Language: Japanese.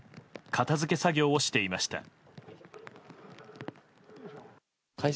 片付け作業をしていました。